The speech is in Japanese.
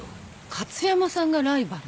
加津山さんがライバル？